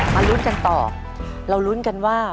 ลุ้นกันต่อเรารุ้นกันว่า